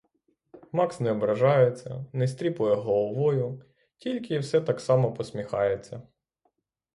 Макс не ображається, не стріпує головою, тільки все так само посміхається.